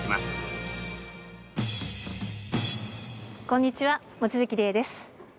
こんにちは望月理恵です。